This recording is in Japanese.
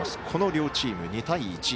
この両チーム、２対１。